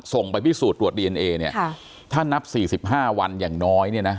ไปพิสูจน์ตรวจดีเอนเอเนี่ยถ้านับสี่สิบห้าวันอย่างน้อยเนี่ยนะ